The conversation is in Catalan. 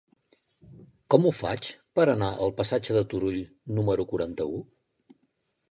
Com ho faig per anar al passatge de Turull número quaranta-u?